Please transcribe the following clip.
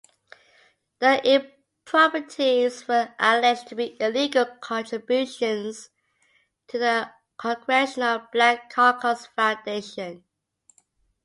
The improprieties were alleged to be illegal contributions to the Congressional Black Caucus Foundation.